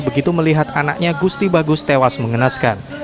begitu melihat anaknya gusti bagus tewas mengenaskan